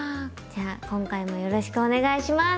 じゃあ今回もよろしくお願いします。